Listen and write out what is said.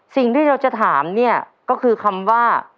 สิ่งที่เราจะถามเนี่ยก็คือคำว่า